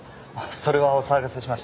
それはお騒がせしました。